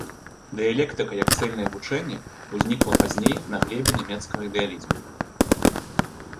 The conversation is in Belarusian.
Дыялектыка як цэльнае вучэнне ўзнікла пазней на глебе нямецкага ідэалізму.